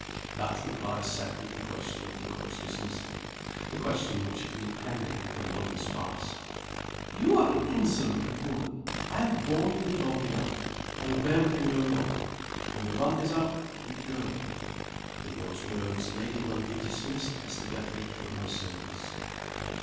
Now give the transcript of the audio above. That reply settled the question of the cook's dismissal the question which had been pending for months past. "You are an insolent woman! I have borne with you long enough I will bear with you no longer. When your month is up, you go!" In those words Lady Lundie dismissed Hester Dethridge from her service.